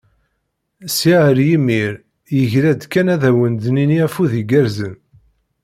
Sya ar yimir, yegra-d kan ad awen-d-nini afud igerrzen.